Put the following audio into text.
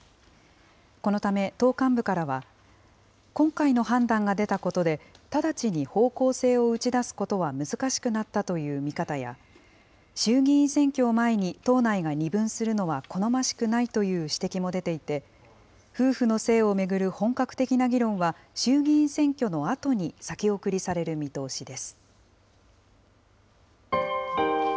このため、党幹部からは、今回の判断が出たことで、直ちに方向性を打ち出すことは難しくなったという見方や、衆議院選挙を前に、党内が二分するのは好ましくないという指摘も出ていて、夫婦の姓を巡る本格的な議論は衆議院選挙のあとに先送りされる見通しです。